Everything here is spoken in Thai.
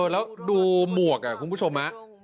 แล้วดูหมวกคุณผู้ชม